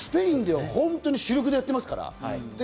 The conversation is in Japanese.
スペインでは本当に主力にやってますから。